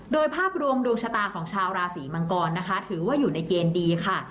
โดยภาพรวมดวงชะตาของชาวราศีมังกรนะคะถือว่าอยู่ในเกณฑ์ดีค่ะ